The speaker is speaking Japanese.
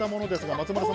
松丸さん